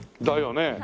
だよね？